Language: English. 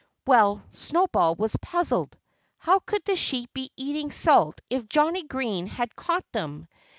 Well, Snowball was puzzled. How could the sheep be eating salt if Johnnie Green had caught them?